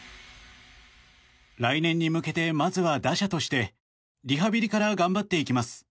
来年に向けてまずは打者としてリハビリから頑張っていきます。